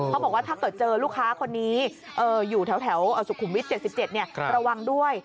บอกว่าถ้าเกิดเจอลูกค้าคนนี้อยู่แถวสุขุมวิท๗๗ระวังด้วย